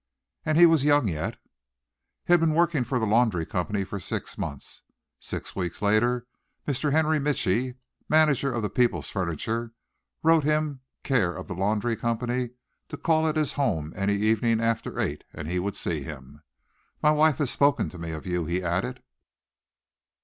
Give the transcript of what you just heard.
And he was young yet. He had been working for the laundry company for six months. Six weeks later, Mr. Henry Mitchly, manager of the People's Furniture, wrote him care of the laundry company to call at his home any evening after eight and he would see him. "My wife has spoken to me of you," he added.